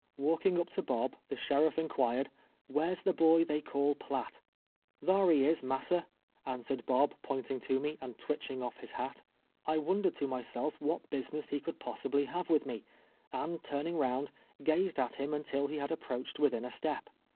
Walking up to Bob, the sheriff inquired :" Where's the boy they call Piatt ?"" Tliar he is, massa," answered Bob, pointing to mo, and twitching off his hat. I wondered to myself what business he could pos sibly' have with me, and turning round, gazed at him until he had approached within a step.